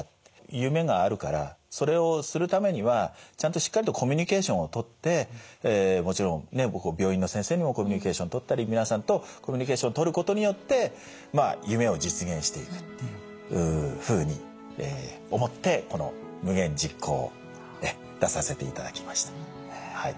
夢があるからそれをするためにはちゃんとしっかりとコミュニケーションを取ってもちろん僕も病院の先生にもコミュニケーションを取ったり皆さんとコミュニケーションを取ることによってまあ夢を実現していくっていうふうに思ってこの夢言実行を出させていただきました。